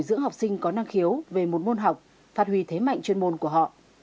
dưỡng học sinh có năng khiếu về một môn học phát huy thế mạnh chuyên môn của họ